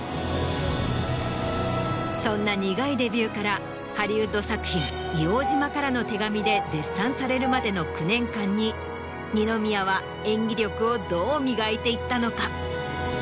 そんな苦いデビューからハリウッド作品『硫黄島からの手紙』で絶賛されるまでの９年間に二宮は演技力をどう磨いていったのか？